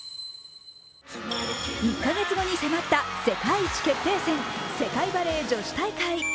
１カ月後に迫った世界一決定戦世界バレー女子大会。